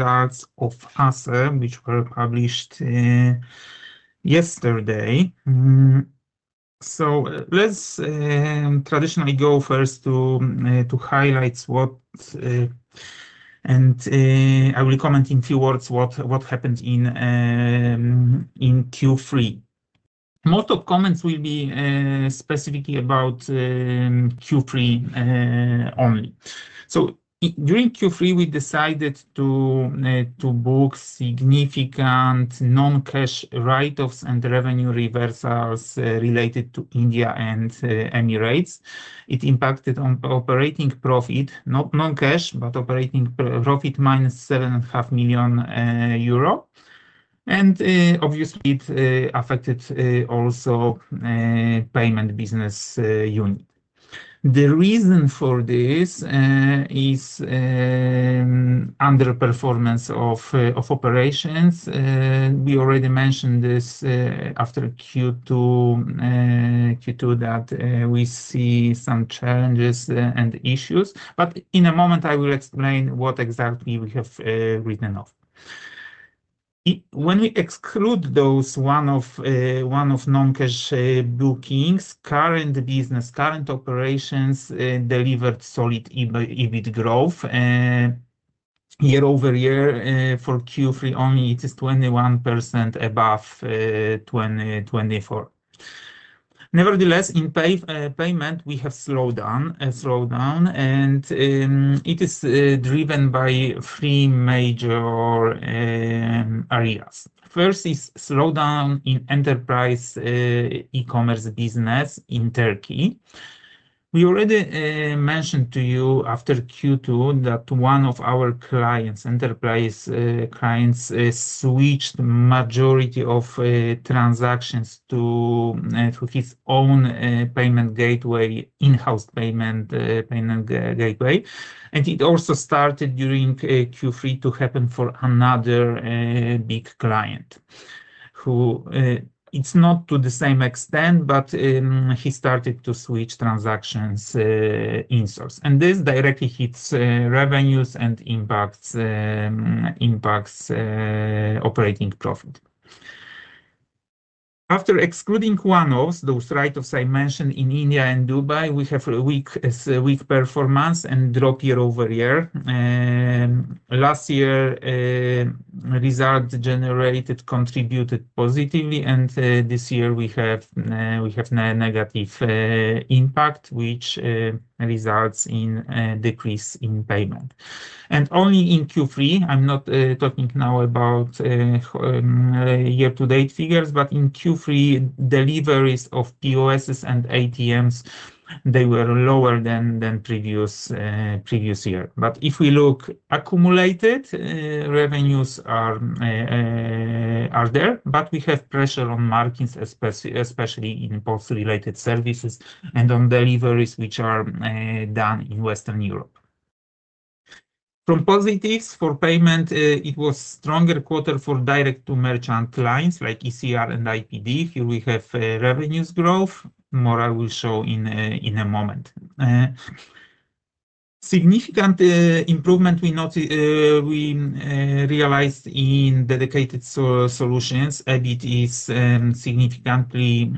Results of ASEE which were published yesterday. Let's traditionally go first to highlights what and I will comment in a few words what happened in Q3. Most of the comments will be specifically about Q3 only. During Q3, we decided to book significant non-cash write-offs and revenue reversals related to India and Emirates. It impacted operating profit, not non-cash, but operating profit -7.5 million euro. It obviously affected also the payment business unit. The reason for this is underperformance of operations. We already mentioned this after Q2 that we see some challenges and issues. In a moment, I will explain what exactly we have written off. When we exclude those one-off non-cash bookings, current business, current operations delivered solid EBIT growth year-over-year for Q3 only. It is 21% above 2024. Nevertheless, in payment, we have slowed down, and it is driven by three major areas. First is slowdown in enterprise e-commerce business in Turkey. We already mentioned to you after Q2 that one of our clients, enterprise clients, switched the majority of transactions to his own payment gateway, in-house payment gateway. It also started during Q3 to happen for another big client who, it's not to the same extent, but he started to switch transactions in source. This directly hits revenues and impacts operating profit. After excluding one of those write-offs I mentioned in India and Dubai, we have a weak performance and drop year-over-year. Last year, results generated contributed positively, and this year, we have a negative impact, which results in a decrease in payment. Only in Q3, I'm not talking now about year-to-date figures, but in Q3, deliveries of POSs and ATMs, they were lower than previous year. If we look at accumulated revenues, are there, but we have pressure on margins, especially in POS-related services and on deliveries which are done in Western Europe. From positives for payment, it was a stronger quarter for direct-to-merchant lines like ECR and IPD. Here we have revenues growth. More I will show in a moment. Significant improvement we noticed we realized in dedicated solutions. EBIT is significantly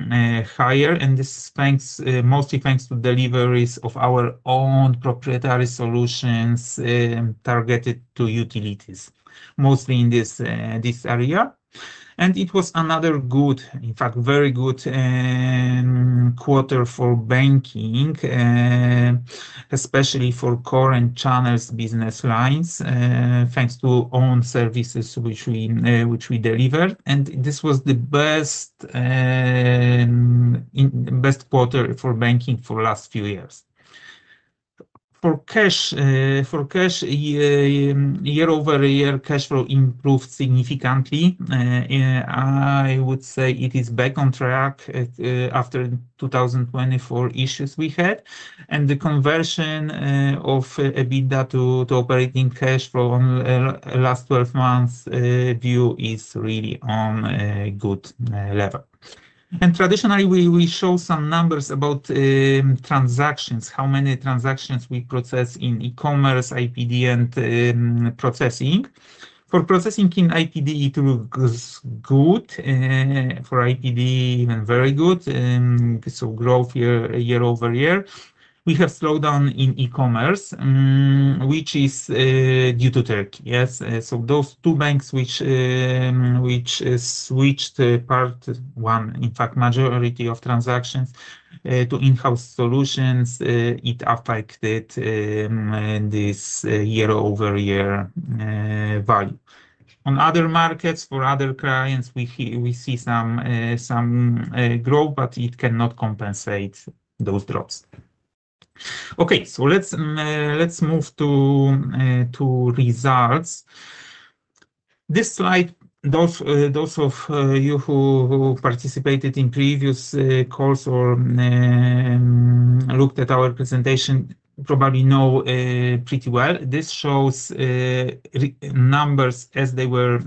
higher, and this is mostly thanks to deliveries of our own proprietary solutions targeted to utilities, mostly in this area. It was another good, in fact, very good quarter for banking, especially for core and channel business lines, thanks to own services which we delivered. This was the best quarter for banking for the last few years. For cash, year-over-year, cash flow improved significantly. I would say it is back on track after the 2024 issues we had. The conversion of EBITDA to operating cash flow on the last 12 months view is really on a good level. Traditionally, we show some numbers about transactions, how many transactions we process in e-commerce, IPD, and processing. For processing in IPD, it looks good. For IPD, even very good. Growth year-over-year. We have slowdown in e-commerce, which is due to Turkey. Those two banks which switched part one, in fact, majority of transactions to in-house solutions, it affected this year-over-year value. On other markets, for other clients, we see some growth, but it cannot compensate those drops. Let's move to results. This slide, those of you who participated in previous calls or looked at our presentation probably know pretty well. This shows numbers as they were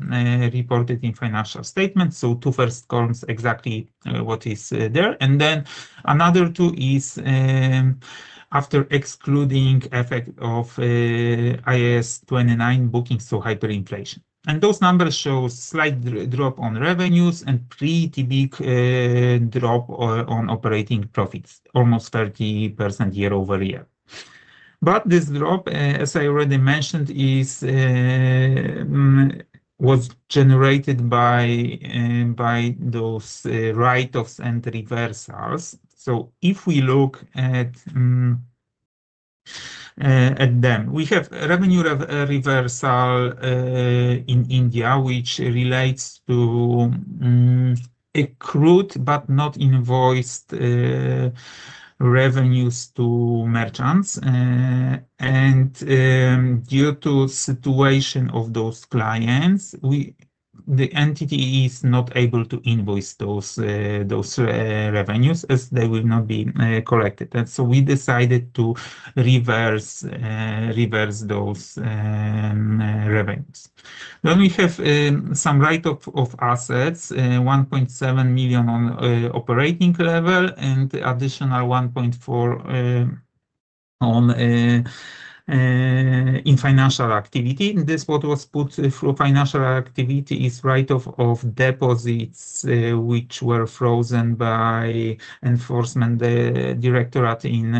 reported in financial statements. Two first columns, exactly what is there. Another two is after excluding the effect of IS29 bookings, so hyperinflation. Those numbers show a slight drop on revenues and a pretty big drop on operating profits, almost 30% year-over-year. This drop, as I already mentioned, was generated by those write-offs and reversals. If we look at them, we have revenue reversal in India, which relates to accrued but not invoiced revenues to merchants. Due to the situation of those clients, the entity is not able to invoice those revenues as they will not be collected. We decided to reverse those revenues. We have some write-off of assets, 1.7 million on operating level and additional 1.4 million in financial activity. What was put through financial activity is write-off of deposits which were frozen by the enforcement directorate in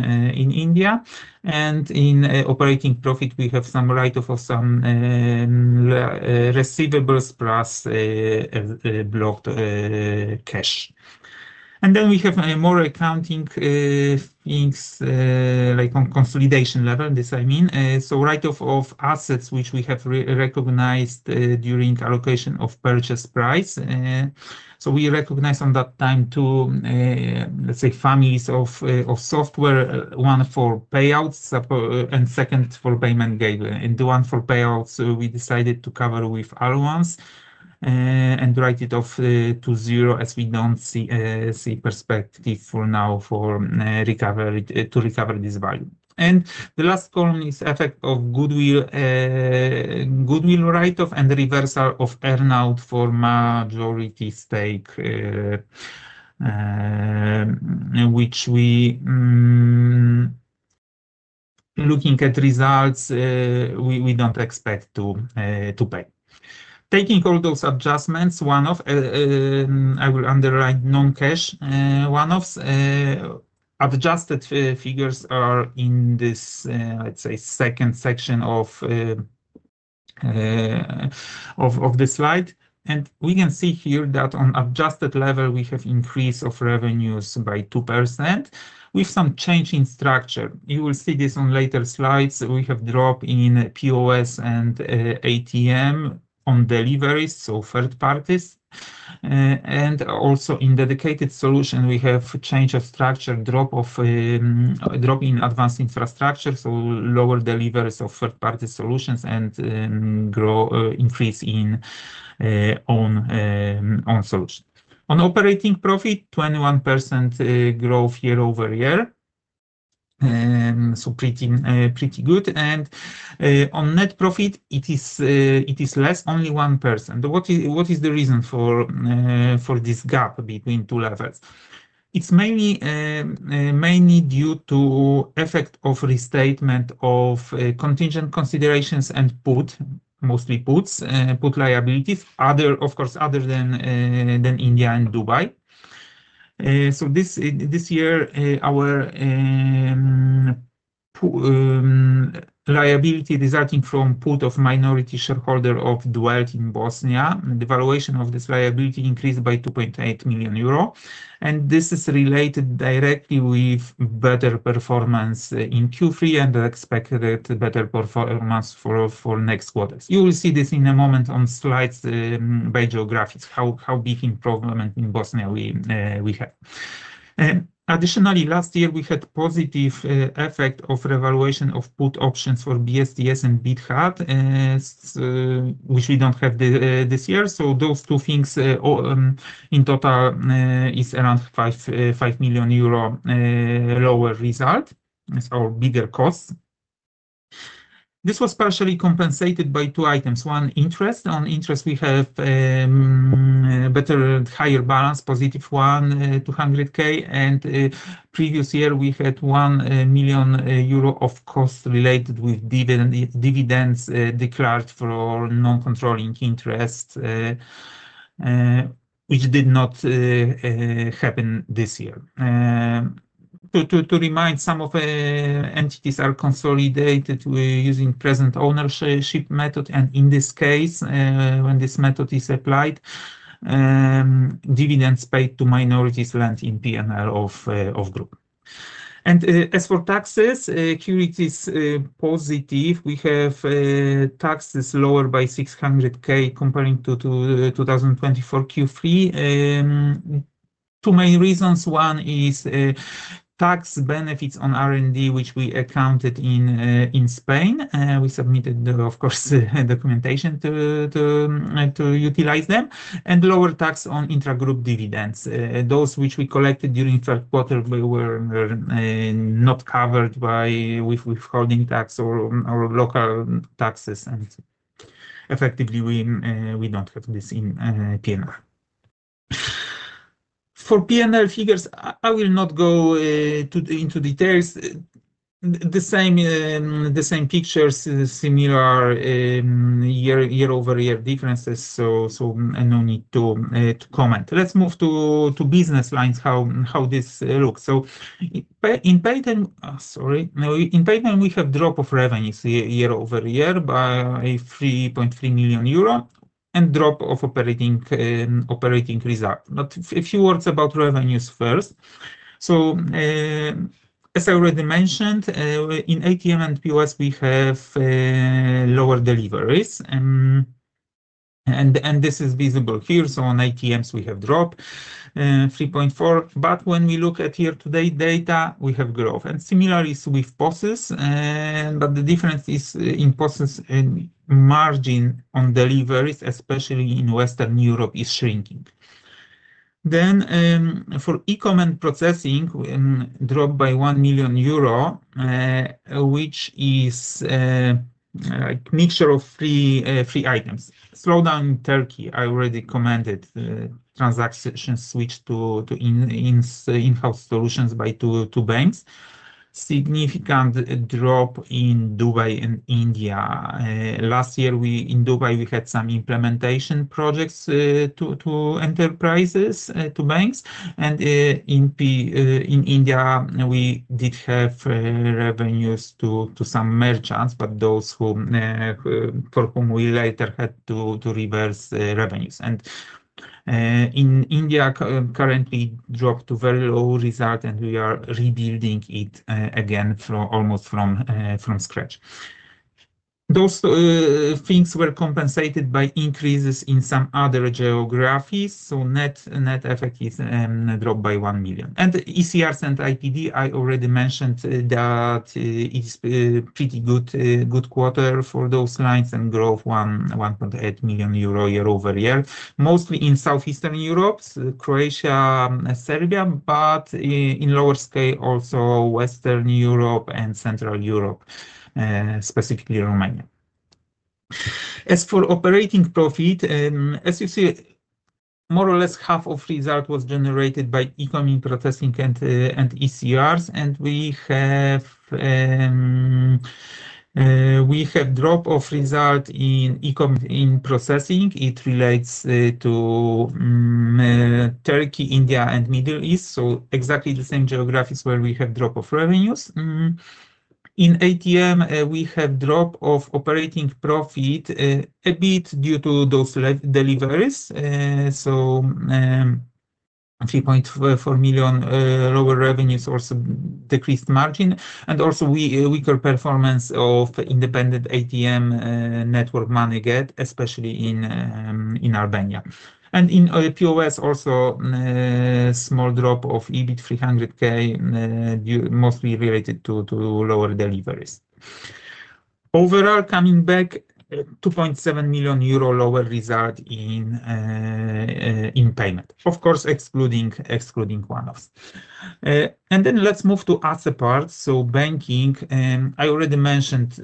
India. In operating profit, we have some write-off of some receivables plus blocked cash. We have more accounting things like on consolidation level, this I mean. Write-off of assets which we have recognized during allocation of purchase price. We recognize on that time two, let's say, families of software, one for payouts and second for payment gateway. The one for payouts, we decided to cover with allowance and write it off to zero as we don't see perspective for now to recover this value. The last column is effect of goodwill write-off and the reversal of earnout for majority stake, which we, looking at results, don't expect to pay. Taking all those adjustments, one of, I will underline, non-cash one-offs. Adjusted figures are in this, let's say, second section of the slide. We can see here that on adjusted level, we have increase of revenues by 2% with some change in structure. You will see this on later slides. We have drop in POS and ATM on deliveries, so third parties. Also, in dedicated solution, we have a change of structure, drop in advanced infrastructure, so lower deliveries of third-party solutions and increase in own solutions. On operating profit, 21% growth year-over-year, so pretty good. On net profit, it is less, only 1%. What is the reason for this gap between two levels? It's mainly due to the effect of restatement of contingent considerations and put, mostly puts, put liabilities, of course, other than India and Dubai. This year, our liability resulting from put of minority shareholder of Dwelt in Bosnia, the valuation of this liability increased by 2.8 million euro. This is related directly with better performance in Q3 and expected better performance for next quarter. You will see this in a moment on slides by geographics, how big improvement in Bosnia we have. Additionally, last year, we had positive effect of revaluation of put options for BSTS and BitHut, which we don't have this year. Those two things, in total, is around 5 million euro lower result. It's our bigger cost. This was partially compensated by two items. One, interest. On interest, we have a better, higher balance, +200,000. Previous year, we had 1 million euro of costs related with dividends declared for non-controlling interest, which did not happen this year. To remind, some of the entities are consolidated using present ownership method. In this case, when this method is applied, dividends paid to minorities land in P&L of group. As for taxes, accurate is positive. We have taxes lowered by 600,000 comparing to 2024 Q3. Two main reasons. One is tax benefits on R&D, which we accounted in Spain. We submitted the, of course, documentation to utilize them. Lower tax on intragroup dividends. Those which we collected during the third quarter were not covered by withholding tax or local taxes. Effectively, we don't have this in P&L. For P&L figures, I will not go into details. The same pictures, similar year-over-year differences, so no need to comment. Let's move to business lines, how this looks. In payment, we have drop of revenues year-over-year by 3.3 million euro and drop of operating result. A few words about revenues first. As I already mentioned, in ATM and POS, we have lower deliveries, and this is visible here. On ATMs, we have dropped 3.4 million, but when we look at year-to-date data, we have growth. Similarly, with POS. The difference is in POS, margin on deliveries, especially in Western Europe, is shrinking. For e-commerce processing, dropped by EUR 1 million, which is a mixture of three items: slowdown in Turkey, I already commented transactions switched to in-house solutions by two banks, significant drop in Dubai and India. Last year, in Dubai, we had some implementation projects to enterprises, to banks, and in India, we did have revenues to some merchants, but those for whom we later had to reverse revenues. In India, currently, dropped to a very low result, and we are rebuilding it again almost from scratch. Those things were compensated by increases in some other geographies. Net effect is dropped by 1 million. ECR and IPD, I already mentioned that it is a pretty good quarter for those lines and growth 1.8 million euro year-over-year, mostly in Southeastern Europe, Croatia, Serbia, but in lower scale, also Western Europe and Central Europe, specifically Romania. As for operating profit, as you see, more or less half of result was generated by e-commerce processing and ECR. We have drop of result in e-commerce processing. It relates to Turkey, India, and Middle East, exactly the same geographies where we have drop of revenues. In ATM, we have drop of operating profit a bit due to those deliveries, so 3.4 million lower revenues, also decreased margin, and also weaker performance of independent ATM network money get, especially in Albania. In POS, also a small drop of EBIT, 300,000, mostly related to lower deliveries. Overall, coming back, 2.7 million euro lower result in payment, of course, excluding one-offs. Let's move to asset parts. Banking, I already mentioned,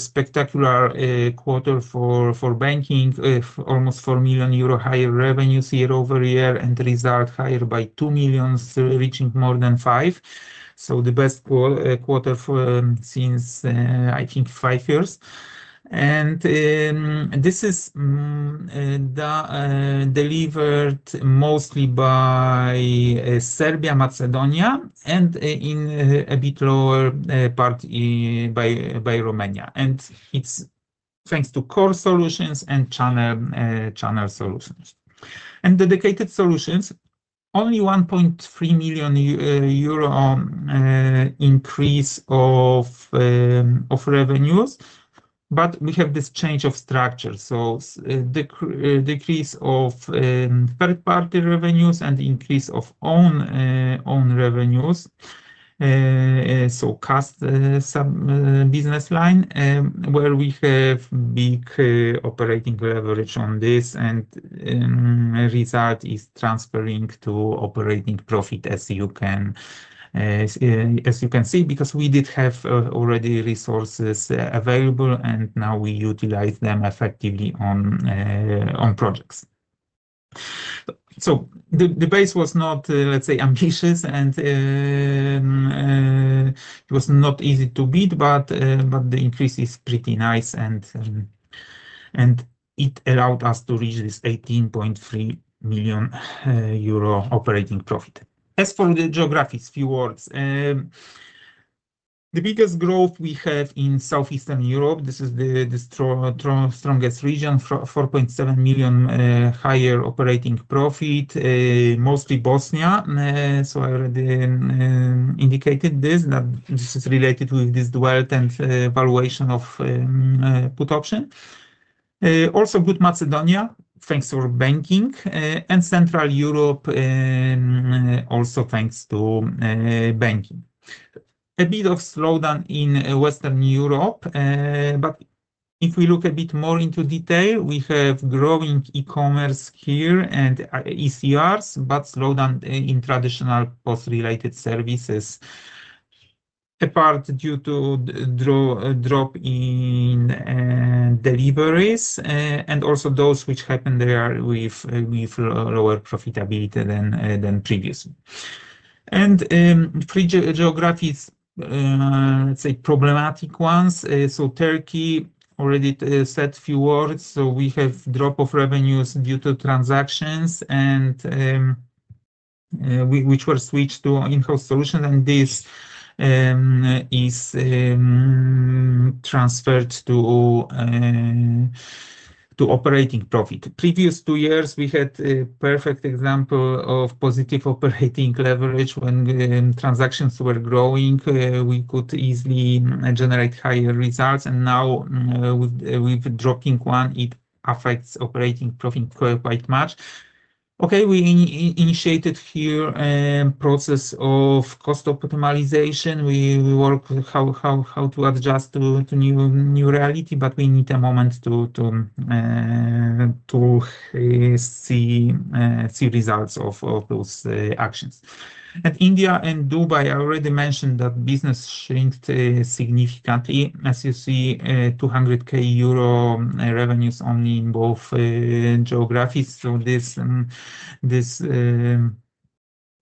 spectacular quarter for banking, almost 4 million euro higher revenues year-over-year, and result higher by 2 million, reaching more than 5 million. This is the best quarter since, I think, five years. This is delivered mostly by Serbia, Macedonia, and in a bit lower part by Romania. It's thanks to core and channel solutions. Dedicated solutions, only 1.3 million euro increase of revenues, but we have this change of structure. The decrease of third-party revenues and the increase of own revenues cast some business line where we have big operating leverage on this. Result is transferring to operating profit, as you can see, because we did have already resources available, and now we utilize them effectively on projects. The base was not, let's say, ambitious, and it was not easy to beat, but the increase is pretty nice, and it allowed us to reach this 18.3 million euro operating profit. As for the geographies, a few words. The biggest growth we have in Southeastern Europe, this is the strongest region, 4.7 million higher operating profit, mostly Bosnia. I already indicated this, that this is related with this dwell and valuation of put option. Also, good Macedonia, thanks for banking. Central Europe, also thanks to banking. A bit of slowdown in Western Europe. If we look a bit more into detail, we have growing e-commerce here and ECRs, but slowdown in traditional POS-related services, apart due to the drop in deliveries, and also those which happen there with lower profitability than previously. Three geographies, let's say, problematic ones. Turkey, already said a few words. We have drop of revenues due to transactions which were switched to in-house solutions. This is transferred to operating profit. Previous two years, we had a perfect example of positive operating leverage. When transactions were growing, we could easily generate higher results. Now, with dropping one, it affects operating profit quite much. We initiated here a process of cost optimization. We work how to adjust to new reality, but we need a moment to see results of those actions. India and Dubai, I already mentioned that business shrank significantly. As you see, 200,000 euro revenues only in both geographies. This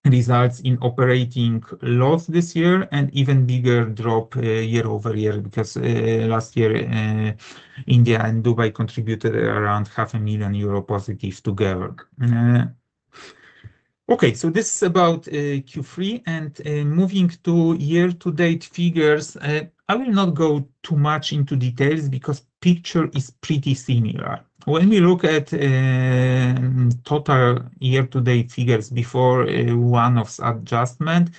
results in operating loss this year and even bigger drop year-over-year because last year, India and Dubai contributed around 500,000+ euro together. This is about Q3. Moving to year-to-date figures, I will not go too much into details because the picture is pretty similar. When we look at total year-to-date figures before one-offs adjustment,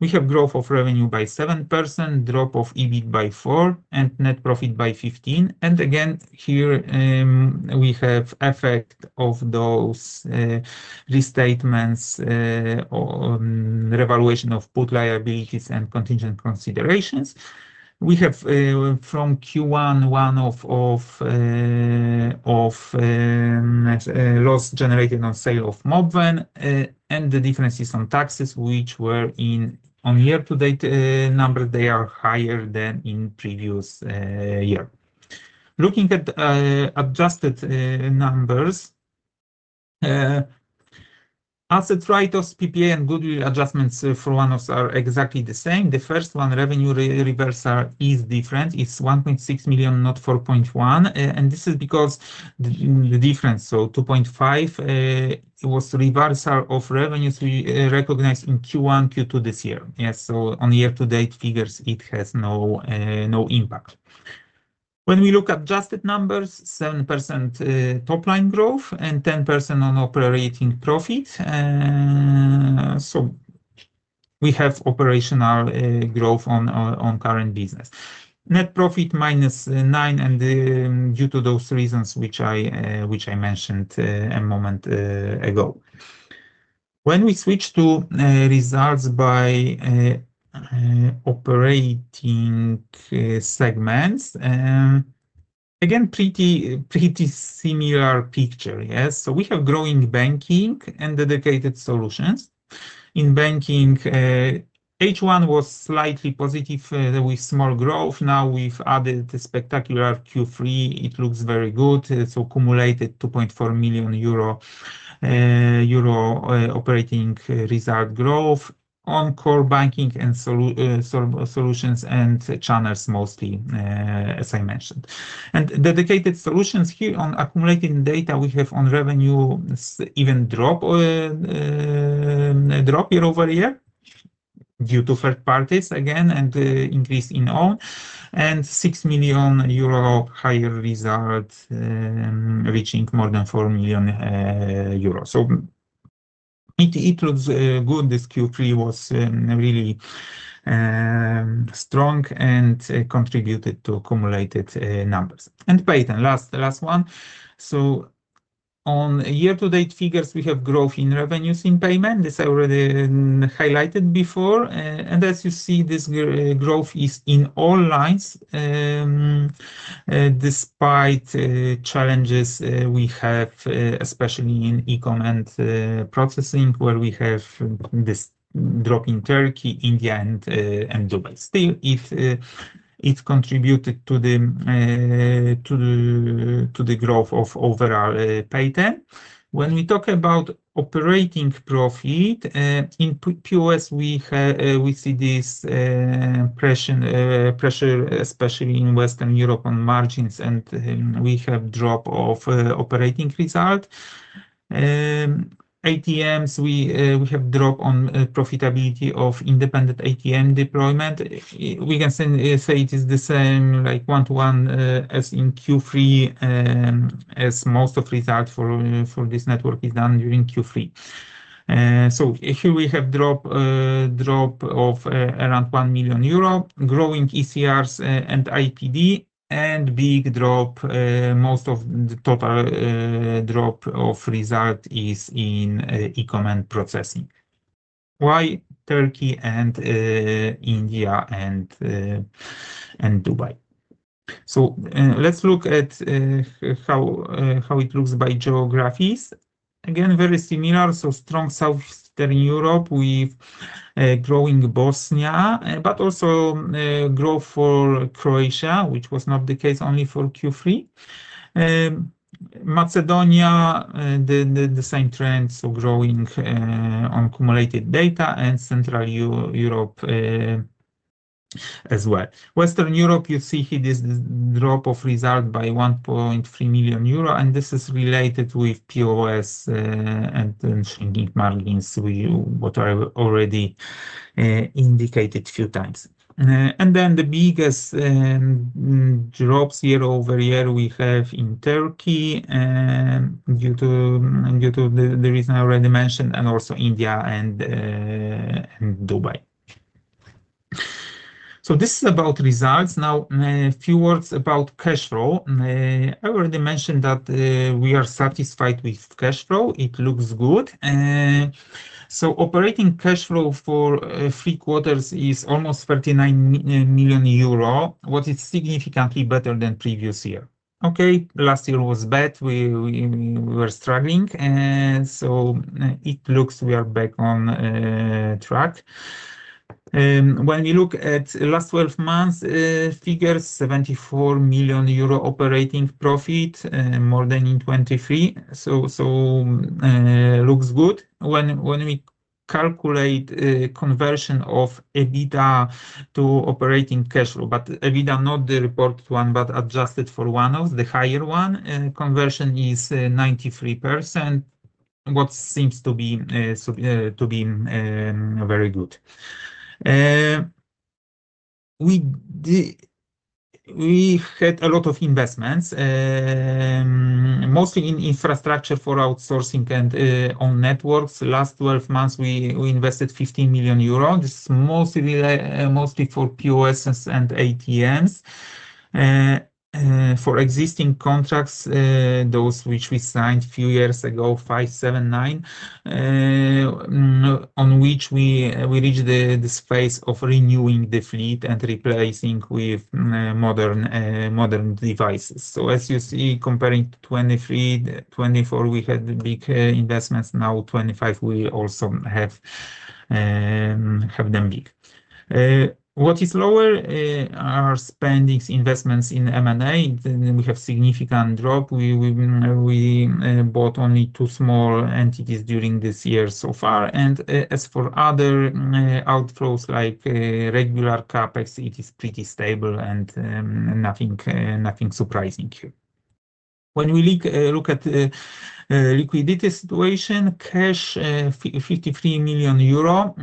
we have growth of revenue by 7%, drop of EBIT by 4%, and net profit by 15%. Again, here we have effect of those restatements, revaluation of put liabilities, and contingent considerations. We have from Q1 one-off of loss generated on sale of mob van, and the difference is on taxes which were in on year-to-date numbers, they are higher than in previous year. Looking at adjusted numbers, asset write-offs, PPA, and goodwill adjustments for one-offs are exactly the same. The first one, revenue reversal, is different. It's 1.6 million, not 4.1 million. This is because the difference, so 2.5 million, it was reversal of revenues recognized in Q1, Q2 this year. Yes. On year-to-date figures, it has no impact. When we look at adjusted numbers, 7% top line growth and 10% on operating profit. We have operational growth on current business. Net profit -9% and due to those reasons which I mentioned a moment ago. When we switch to results by operating segments, again, pretty similar picture. Yes. We have growing banking and dedicated solutions. In banking, H1 was slightly positive with small growth. Now we've added the spectacular Q3. It looks very good. Accumulated 2.4 million euro operating result growth on core and channel solutions mostly, as I mentioned. Dedicated solutions here on accumulated data, we have on revenue even drop year-over-year due to third parties, again, and increase in own. 6 million euro higher result, reaching more than 4 million euro. It looks good. This Q3 was really strong and contributed to accumulated numbers. Payment, last one. On year-to-date figures, we have growth in revenues in payment. This I already highlighted before. As you see, this growth is in all lines, despite challenges we have, especially in e-commerce and processing, where we have this drop in Turkey, India, and Dubai. Still, it's contributed to the growth of overall payment. When we talk about operating profit, in POS, we see this pressure, especially in Western Europe, on margins, and we have drop of operating result. ATMs, we have drop on profitability of independent ATM deployment. We can say it is the same, like one-to-one as in Q3, as most of the result for this network is done during Q3. Here we have drop of around 1 million euro, growing ECRs and IPD, and big drop, most of the total drop of result is in e-commerce and processing. Why Turkey and India and Dubai? Let's look at how it looks by geographies. Again, very similar. Strong Southeastern Europe with growing Bosnia, but also growth for Croatia, which was not the case only for Q3. Macedonia, the same trend, so growing on accumulated data and Central Europe as well. Western Europe, you see here this drop of result by 1.3 million euro, and this is related with POS and shrinking margins, what I already indicated a few times. The biggest drops year-over-year we have in Turkey due to the reason I already mentioned, and also India and Dubai. This is about results. Now, a few words about cash flow. I already mentioned that we are satisfied with cash flow. It looks good. Operating cash flow for three quarters is almost 39 million euro, what is significantly better than previous year. Last year was bad. We were struggling. It looks we are back on track. When we look at last 12 months' figures, 74 million euro operating profit, more than in 2023. It looks good. When we calculate conversion of EBITDA to operating cash flow, but EBITDA not the reported one, but adjusted for one-offs, the higher one, conversion is 93%, what seems to be very good. We had a lot of investments, mostly in infrastructure for outsourcing and on networks. Last 12 months, we invested 15 million euro. This is mostly for POS and ATMs. For existing contracts, those which we signed a few years ago, 5, 7, 9, on which we reached the space of renewing the fleet and replacing with modern devices. As you see, comparing to 2023, 2024, we had big investments. Now, 2025, we also have them big. What is lower are spending investments in M&A. We have a significant drop. We bought only two small entities during this year so far. As for other outflows, like regular CapEx, it is pretty stable and nothing surprising here. When we look at the liquidity situation, cash, 53 million euro.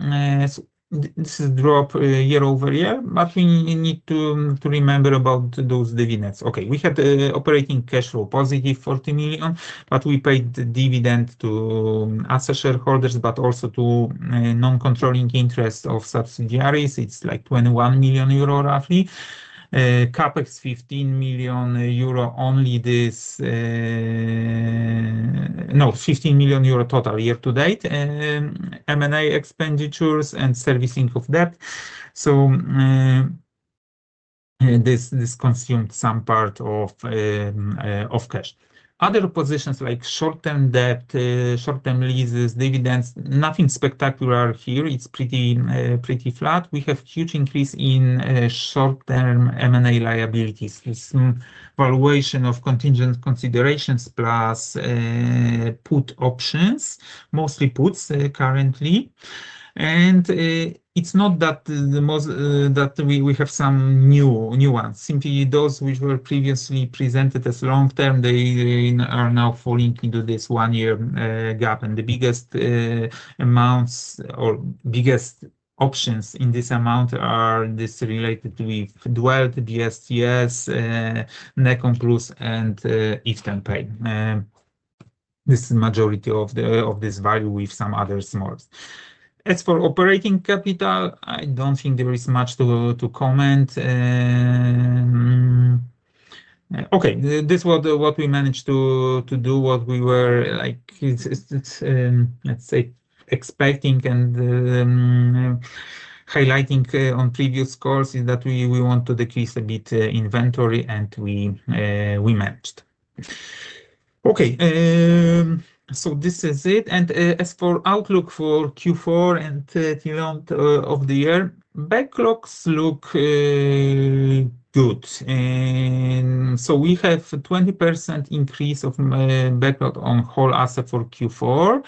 This is a drop year-over-year, but we need to remember about those dividends. We had operating cash flow +40 million, but we paid the dividend to asset shareholders, but also to non-controlling interest of subsidiaries. It's like 21 million euro, roughly. CapEx, 15 million euro only this. No, 15 million euro total year-to-date. M&A expenditures and servicing of debt. This consumed some part of cash. Other positions like short-term debt, short-term leases, dividends, nothing spectacular here. It's pretty flat. We have a huge increase in short-term M&A liabilities. This valuation of contingent considerations plus put options, mostly puts currently. It's not that we have some new ones. Simply those which were previously presented as long-term, they are now falling into this one-year gap. The biggest amounts or biggest options in this amount are related with Dwelt, BSTS, Necomplus, and Eastern Pay. This is the majority of this value with some other smalls. As for operating capital, I don't think there is much to comment. This is what we managed to do. What we were, let's say, expecting and highlighting on previous calls is that we want to decrease a bit inventory, and we managed. This is it. As for outlook for Q4 and the development of the year, backlogs look good. We have a 20% increase of backlog on whole ASEE for Q4.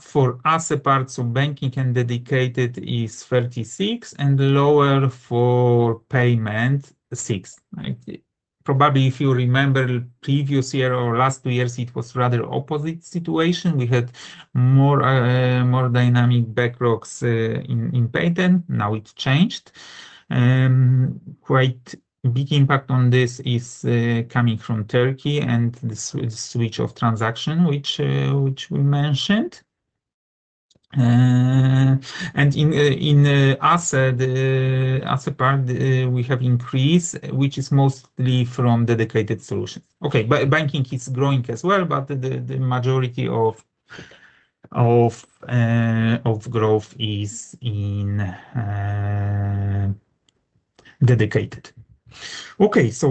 For ASEE parts of banking and dedicated is 36% and lower for payment, 6%. Probably if you remember previous year or last two years, it was a rather opposite situation. We had more dynamic backlogs in payment. Now it's changed. Quite a big impact on this is coming from Turkey and the switch of transaction, which we mentioned. In ASEE part, we have increase, which is mostly from dedicated solutions. Banking is growing as well, but the majority of growth is in dedicated. This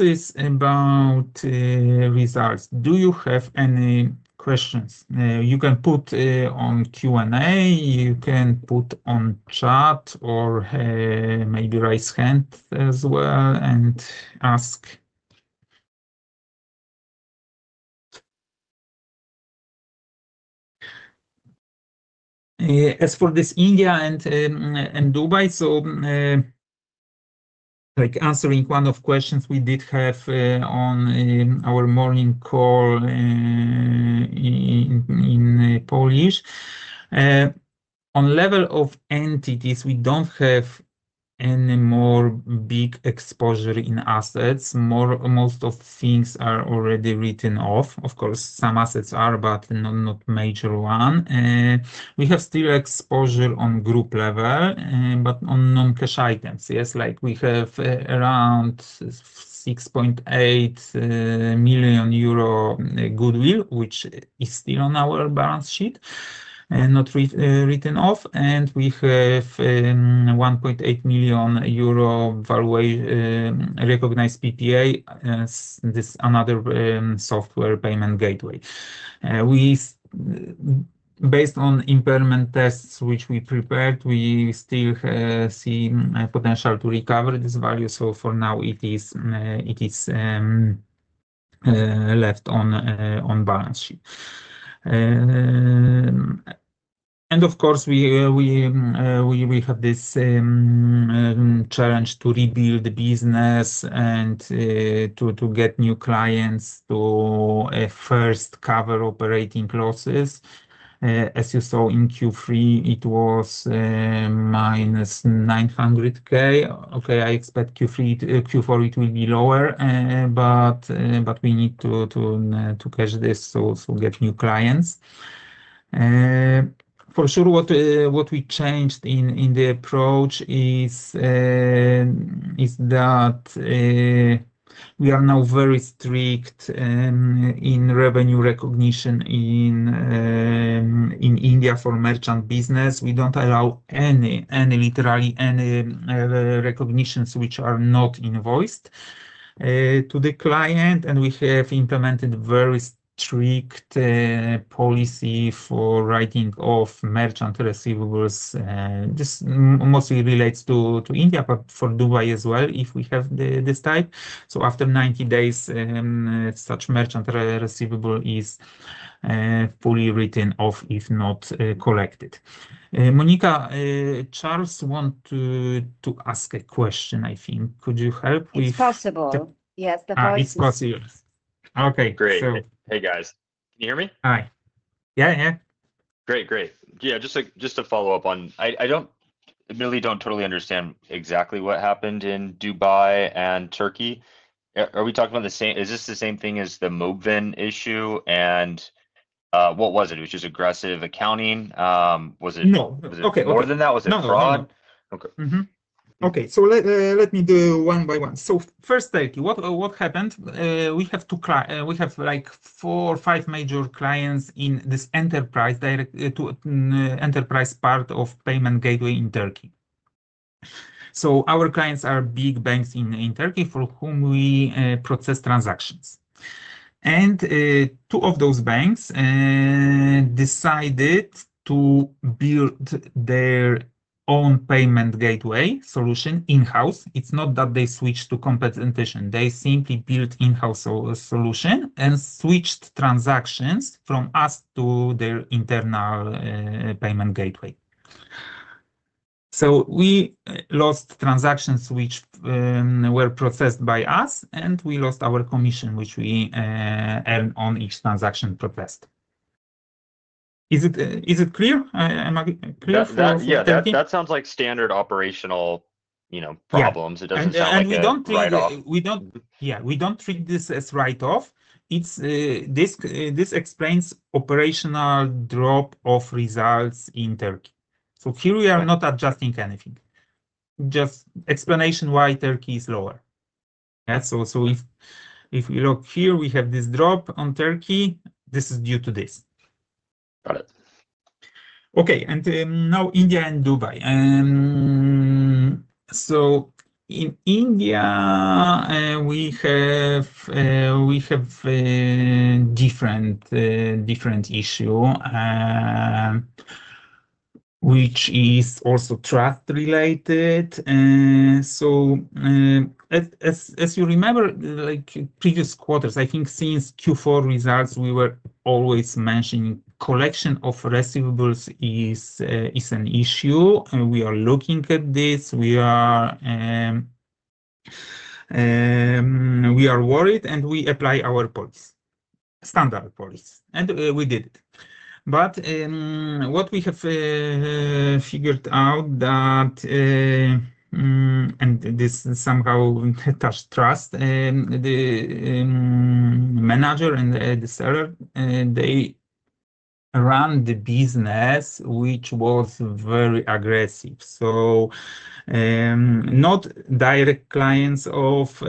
is about results. Do you have any questions? You can put on Q&A. You can put on chat or maybe raise hand as well and ask. As for this India and Dubai, like answering one of the questions we did have on our morning call in Polish. On level of entities, we don't have any more big exposure in assets. Most of the things are already written off. Of course, some assets are, but not major ones. We have still exposure on group level, but on non-cash items. Yes. We have around 6.8 million euro goodwill, which is still on our balance sheet, not written off. We have 1.8 million euro valuation recognized PPA, this is another software payment gateway. Based on impairment tests which we prepared, we still see potential to recover this value. For now, it is left on balance sheet. We have this challenge to rebuild the business and to get new clients to first cover operating losses. As you saw in Q3, it was -900,000. I expect Q4 it will be lower, but we need to catch this, so get new clients. For sure, what we changed in the approach is that we are now very strict in revenue recognition in India for merchant business. We don't allow any, literally any recognitions which are not invoiced to the client. We have implemented a very strict policy for writing off merchant receivables. This mostly relates to India, but for Dubai as well, if we have this type. After 90 days, such merchant receivable is fully written off if not collected. Monica, Charles wants to ask a question, I think. Could you help with? It's possible, yes, the policy. It's possible. Okay. Great. Hey, guys, can you hear me? Hi. Yeah. Great, great. Just a follow-up on I don't really totally understand exactly what happened in Dubai and Turkey. Are we talking about the same, is this the same thing as the mob van issue? What was it? It was just aggressive accounting? Was it more than that? Was it fraud? Okay. Let me do one by one. First, Turkey, what happened? We have four or five major clients in this enterprise part of payment gateway in Turkey. Our clients are big banks in Turkey for whom we process transactions. Two of those banks decided to build their own payment gateway solution in-house. It's not that they switched to competition. They simply built in-house solutions and switched transactions from us to their internal payment gateway. We lost transactions which were processed by us, and we lost our commission, which we earned on each transaction processed. Is it clear? Am I clear for Turkey? That sounds like standard operational, you know, problems. It doesn't sound like it's a big issue. We don't treat this as write-off. This explains operational drop of results in Turkey. Here we are not adjusting anything, just explanation why Turkey is lower. If we look here, we have this drop on Turkey. This is due to this. Got it. Okay. India and Dubai. In India, we have a different issue, which is also trust-related. As you remember, like previous quarters, I think since Q4 results, we were always mentioning collection of receivables is an issue. We are looking at this, we are worried, and we apply our standard policies. We did it. What we have figured out is that, and this somehow touched trust, the manager and the seller, they ran the business, which was very aggressive. Not direct clients of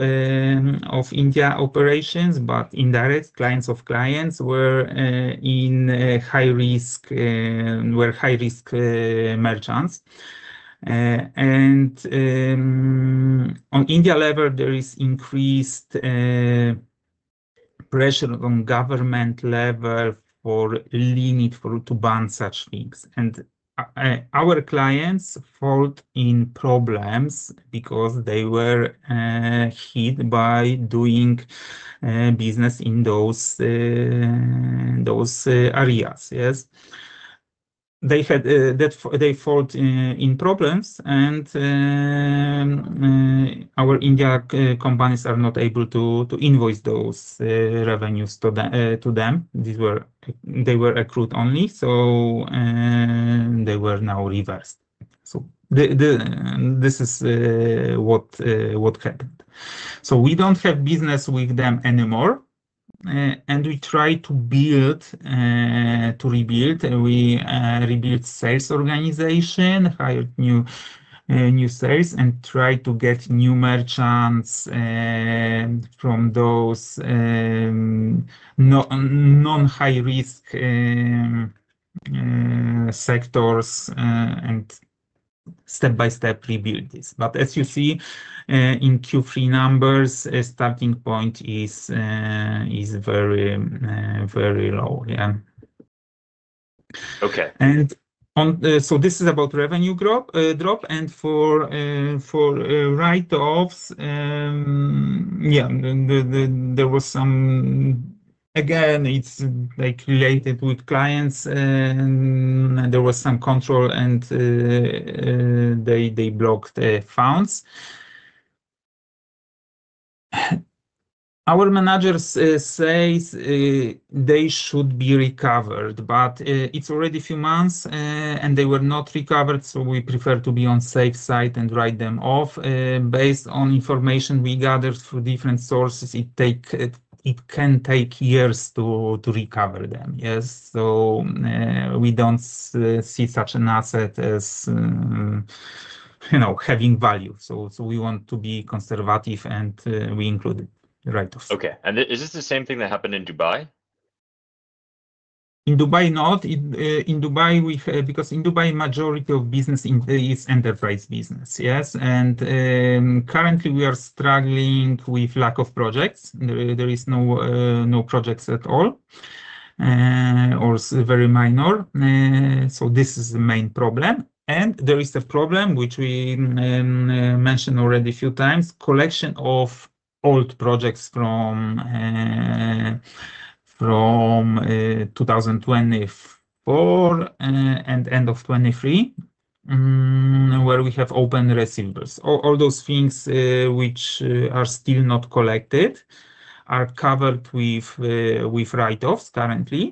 India operations, but indirect clients of clients were in high-risk merchants. On India level, there is increased pressure on government level to ban such things. Our clients fall in problems because they were hit by doing business in those areas. Yes, they fall in problems, and our India companies are not able to invoice those revenues to them. They were accrued only, so they were now reversed. This is what happened. We do not have business with them anymore. We try to rebuild. We rebuilt sales organization, hired new sales, and tried to get new merchants from those non-high-risk sectors and step by step rebuild this. As you see, in Q3 numbers, the starting point is very low. Okay. This is about revenue drop. For write-offs, yeah, there was some, again, it's like related with clients. There was some control, and they blocked the funds. Our managers say they should be recovered, but it's already a few months, and they were not recovered. We prefer to be on the safe side and write them off. Based on information we gathered through different sources, it can take years to recover them. We don't see such an asset as, you know, having value. We want to be conservative, and we included write-offs. Is this the same thing that happened in Dubai? In Dubai, not. In Dubai, because in Dubai, the majority of business is enterprise business. Yes. Currently, we are struggling with lack of projects. There are no projects at all or very minor. This is the main problem. There is a problem which we mentioned already a few times, collection of old projects from 2024 and end of 2023, where we have open receivers. All those things which are still not collected are covered with write-offs currently.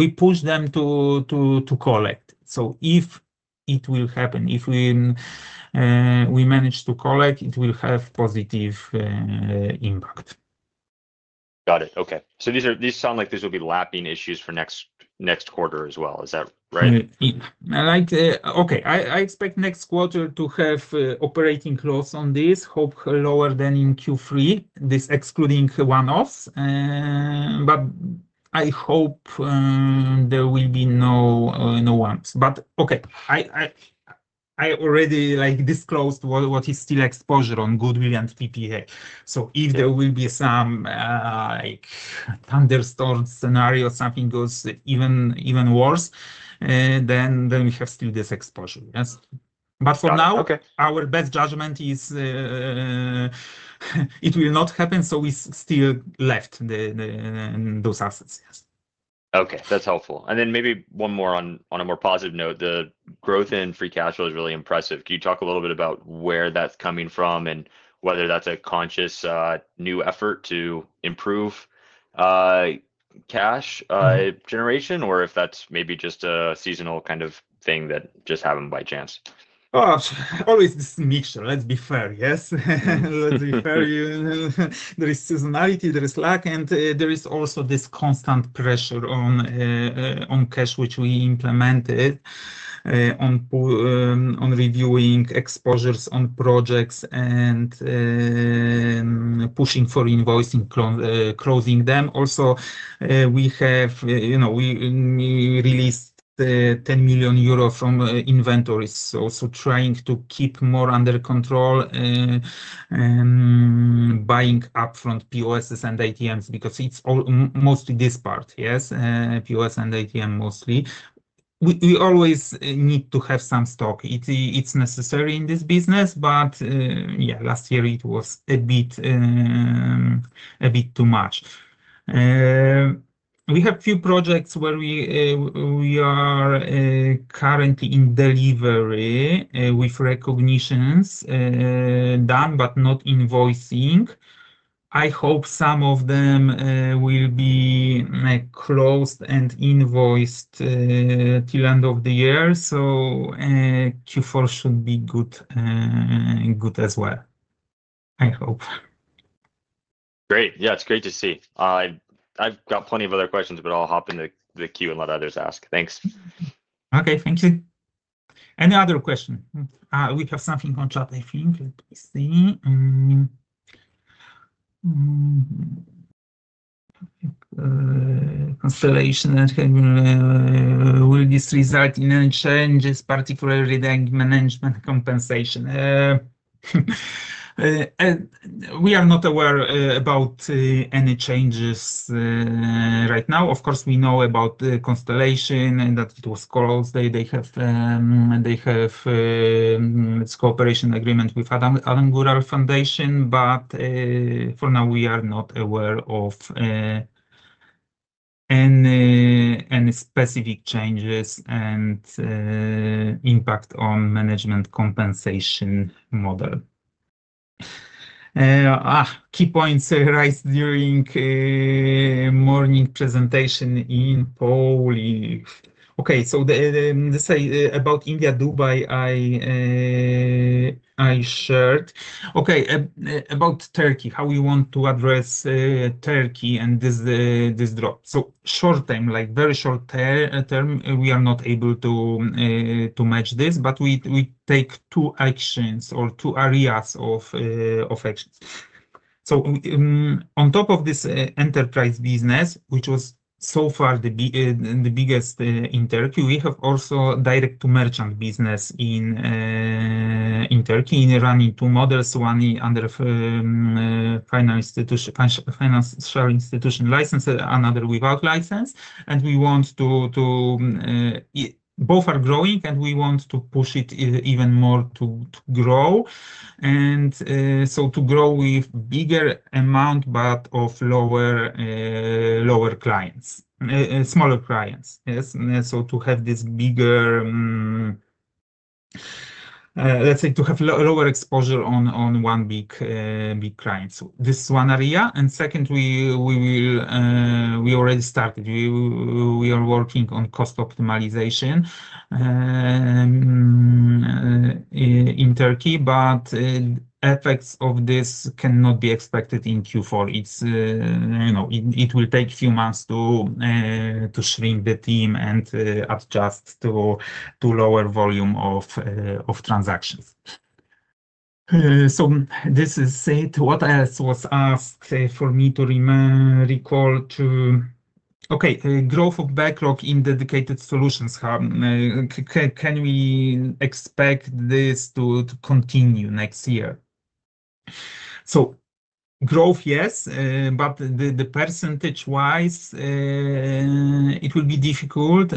We push them to collect. If it will happen, if we manage to collect, it will have a positive impact. Got it. Okay. These sound like these will be lapping issues for next quarter as well. Is that right? Okay. I expect next quarter to have operating loss on this, hope lower than in Q3, this excluding one-offs. I hope there will be no one-offs. I already disclosed what is still exposure on goodwill and PPA. If there will be some thunderstorm scenario, something goes even worse, then we have still this exposure. Yes. For now, our best judgment is it will not happen. We still left those assets. Yes. Okay. That's helpful. Maybe one more on a more positive note. The growth in free cash flow is really impressive. Can you talk a little bit about where that's coming from and whether that's a conscious new effort to improve cash generation or if that's maybe just a seasonal kind of thing that just happened by chance? Oh, always this mixture. Let's be fair. Yes. Let's be fair. There is seasonality, there is luck, and there is also this constant pressure on cash, which we implemented on reviewing exposures on projects and pushing for invoicing, closing them. Also, we released 10 million euro from inventories, so trying to keep more under control, buying upfront POS and ATM because it's all mostly this part. Yes, POS and ATM mostly. We always need to have some stock. It's necessary in this business. Last year, it was a bit too much. We have a few projects where we are currently in delivery with recognitions done, but not invoicing. I hope some of them will be closed and invoiced till the end of the year. Q4 should be good as well, I hope. Great. Yeah, it's great to see. I've got plenty of other questions, but I'll hop in the queue and let others ask. Thanks. Okay. Thank you. Any other question? We have something on chat, I think. Let me see. Constellation, will this result in any changes, particularly the management compensation? We are not aware about any changes right now. Of course, we know about the Constellation and that it was closed. They have a cooperation agreement with Adam Gural Foundation. For now, we are not aware of any specific changes and impact on the management compensation model. Key points arise during the morning presentation in Polish. This is about India, Dubai I shared. About Turkey, how we want to address Turkey and this drop. In the short term, like very short term, we are not able to match this, but we take two actions or two areas of actions. On top of this enterprise business, which was so far the biggest in Turkey, we have also direct-to-merchant business in Turkey, running two models, one under financial institution license, another without license. Both are growing, and we want to push it even more to grow, to grow with a bigger amount, but of lower clients, smaller clients. Yes. To have this bigger, let's say, to have lower exposure on one big client. This is one area. Second, we already started. We are working on cost optimization in Turkey, but effects of this cannot be expected in Q4. It will take a few months to shrink the team and adjust to a lower volume of transactions. This is it. What else was asked for me to recall to? Growth of backlog in dedicated solutions. Can we expect this to continue next year? Growth, yes, but percentage-wise, it will be difficult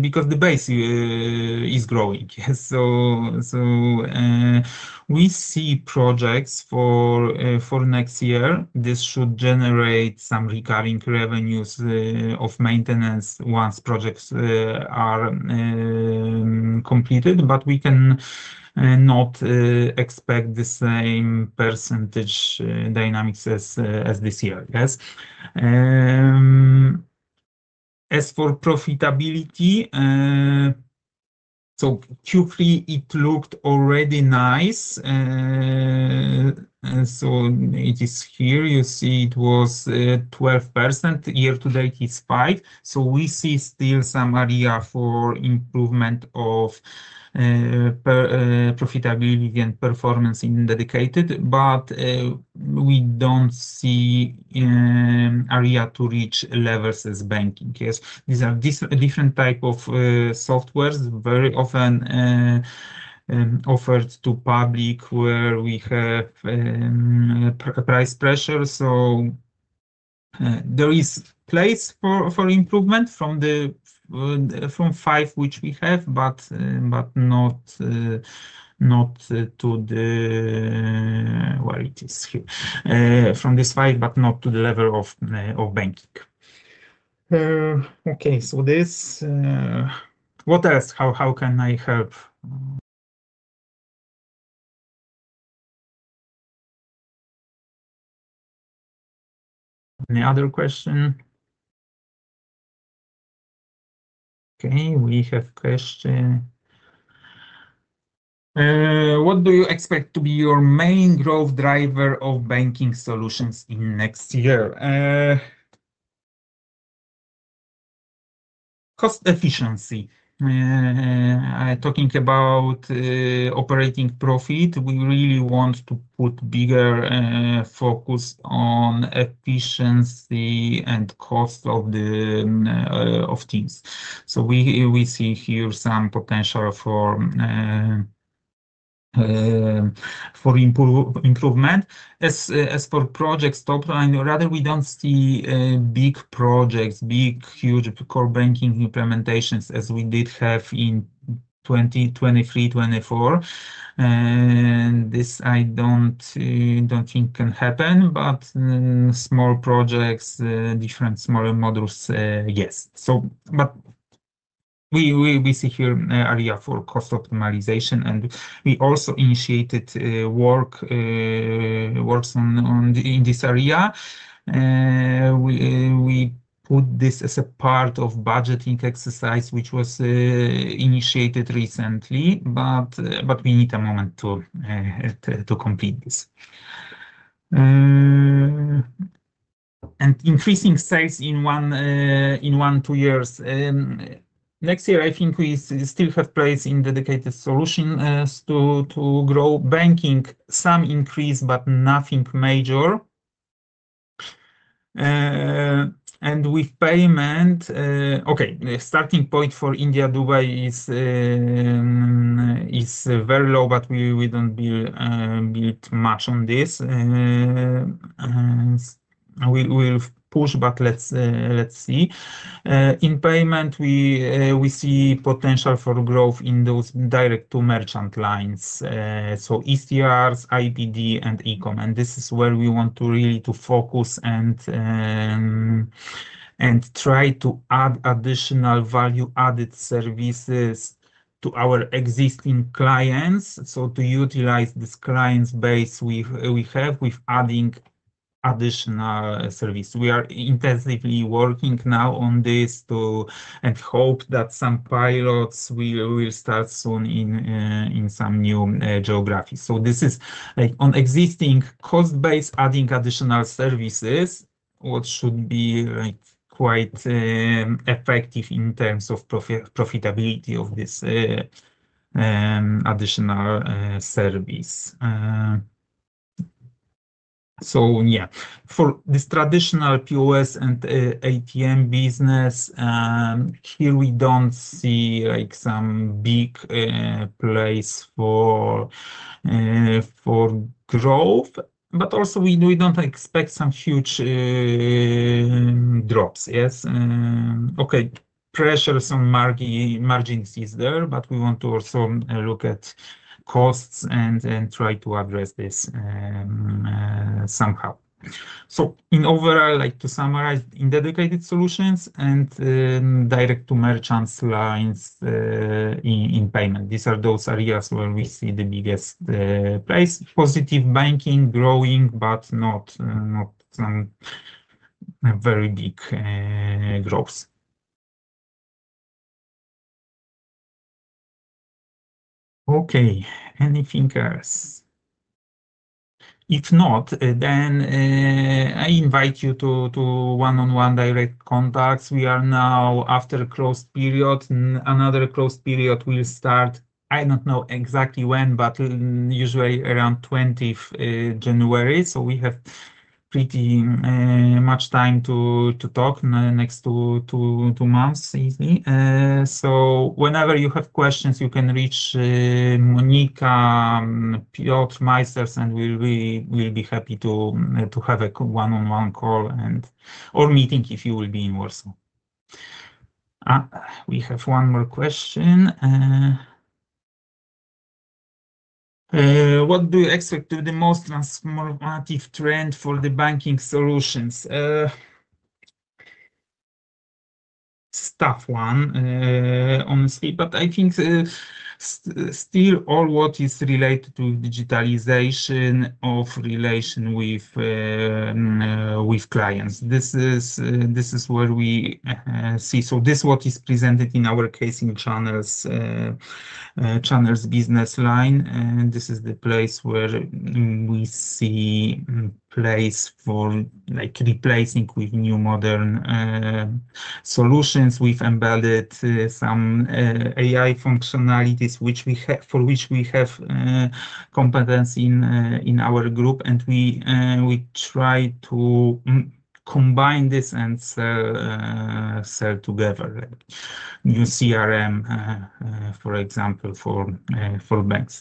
because the base is growing. We see projects for next year. This should generate some recurring revenues of maintenance once projects are completed, but we cannot expect the same percentage dynamics as this year. As for profitability, Q3 looked already nice. It is here. You see, it was 12%. Year-to-date, it's 5%. We see still some area for improvement of profitability and performance in dedicated, but we don't see an area to reach levels as banking. These are different types of softwares very often offered to the public where we have price pressure. There is a place for improvement from the 5% which we have, but not to where it is here, from this 5%, but not to the level of banking. This, what else? How can I help? Any other question? We have a question. What do you expect to be your main growth driver of banking solutions in next year? Cost efficiency. Talking about operating profit, we really want to put a bigger focus on efficiency and cost of the teams. We see here some potential for improvement. As for projects top line, rather we don't see big projects, big, huge core banking implementations as we did have in 2023, 2024. I don't think this can happen, but small projects, different smaller models, yes. We see here an area for cost optimization. We also initiated work in this area. We put this as a part of the budgeting exercise, which was initiated recently, but we need a moment to complete this. Increasing sales in one to two years. Next year, I think we still have a place in dedicated solutions to grow. Banking, some increase, but nothing major. With payment, the starting point for India and Dubai is very low, but we don't build much on this. We will push, but let's see. In payment, we see potential for growth in those direct-to-merchant lines. ECRs, IPD, and e-commerce. This is where we want to really focus and try to add additional value-added services to our existing clients, to utilize this client base we have with adding additional services. We are intensively working now on this and hope that some pilots will start soon in some new geographies. This is like on existing cost base, adding additional services, which should be quite effective in terms of profitability of this additional service. For this traditional POS and ATM business, we don't see some big place for growth, but also we don't expect some huge drops. Pressure on margins is there, but we want to also look at costs and try to address this somehow. In overall, to summarize, in dedicated solutions and direct-to-merchant lines in payment, these are those areas where we see the biggest place. Positive banking, growing, but not some very big growths. Anything else? If not, then I invite you to one-on-one direct contacts. We are now after a closed period. Another closed period will start. I don't know exactly when, but usually around January 20th. We have pretty much time to talk next two months easily. Whenever you have questions, you can reach Monica, Piotr, Meisers, and we'll be happy to have a one-on-one call or meeting if you will be in Warsaw. We have one more question. What do you expect to be the most transformative trend for the banking solutions? Tough one, honestly, but I think still all what is related to digitalization of relation with clients. This is where we see. This is what is presented in our core and channel solutions, channels business line. This is the place where we see a place for like replacing with new modern solutions. We've embedded some AI functionalities for which we have competence in our group. We try to combine this and sell together, like new AI-driven CRM systems, for example, for banks.